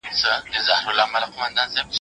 هم په رنگ هم په اخلاق وو داسي ښکلی